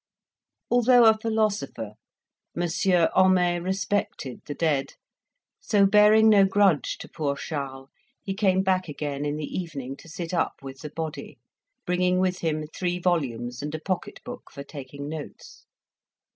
Although a philosopher, Monsieur Homais respected the dead. So bearing no grudge to poor Charles, he came back again in the evening to sit up with the body; bringing with him three volumes and a pocket book for taking notes.